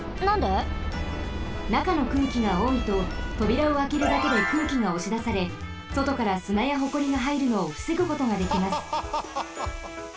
なかの空気がおおいととびらをあけるだけで空気がおしだされそとからすなやホコリがはいるのをふせぐことができます。